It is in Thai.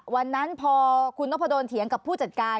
วันนั้นพอคุณนพดลเถียงกับผู้จัดการ